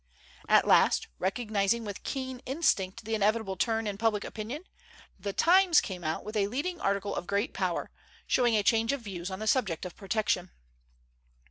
At last, recognizing with keen instinct the inevitable turn in public opinion, the "Times" came out with a leading article of great power, showing a change of views on the subject of protection.